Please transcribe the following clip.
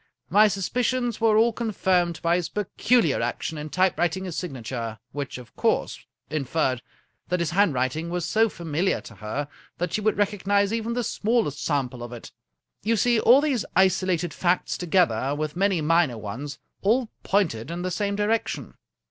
My suspicions were all confirmed by his peculiar action in typewriting his signa ture, which, of course, inferred that his handwriting was 60 A. Conan Doyle so familiar to her that she would recognize even the smallest sample of it. You see all these isolated facts, together with many minor ones, all pointed in the same direction."